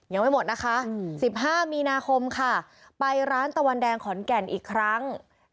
ยังไม่หมดนะคะ๑๕มีนาคมค่ะไปร้านตะวันแดงขอนแก่นอีกครั้ง